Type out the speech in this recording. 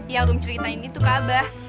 ya rum cerita ini tuh kabar